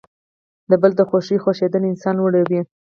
د بل د خوښۍ خوښیدل انسان لوړوي.